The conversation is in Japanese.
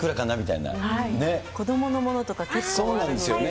子どものものとか、そうなんですよね。